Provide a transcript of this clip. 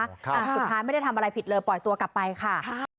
สุดท้ายไม่ได้ทำอะไรผิดเลยปล่อยตัวกลับไปค่ะ